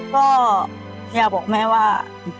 ก็อยากบอกแม่ว่า